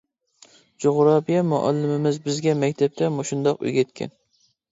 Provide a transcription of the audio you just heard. جۇغراپىيە مۇئەللىمىمىز بىزگە مەكتەپتە مۇشۇنداق ئۆگەتكەن.